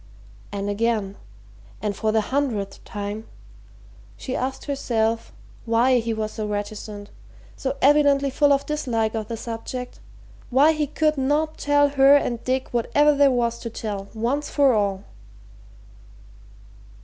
And again and for the hundredth time she asked herself why he was so reticent, so evidently full of dislike of the subject, why he could not tell her and Dick whatever there was to tell, once for all?